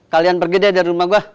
kalian pergi deh dari rumah gue